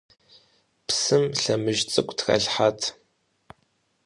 Псым лъэмыж цӏыкӏу тралъхьат.